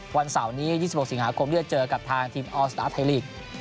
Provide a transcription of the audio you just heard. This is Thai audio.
วันเสาร์นี้๒๖สิงหาคมที่จะเจอกับทางทีมออสตาร์ไทยลีก